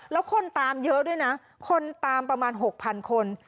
แล้วคนตามเยอะด้วยนะคนตามประมาณ๖๐๐๐คน